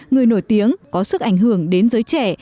người nổi tiếng có sức ảnh hưởng đến giới trẻ